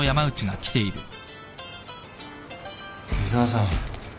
井沢さん。